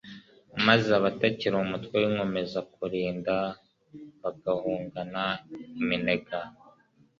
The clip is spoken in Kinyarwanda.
maze abatakili umutwe w'inkomezakulinda bagahungana iminega